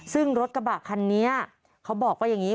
ซึ่งรถกระบะคันนี้เขาบอกว่าอย่างนี้